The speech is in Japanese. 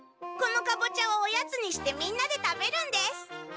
このカボチャをおやつにしてみんなで食べるんです。